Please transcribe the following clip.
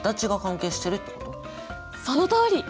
そのとおり。